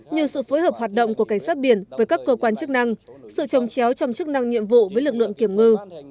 như sự phối hợp hoạt động của cảnh sát biển với các cơ quan chức năng sự trồng chéo trong chức năng nhiệm vụ với lực lượng kiểm ngư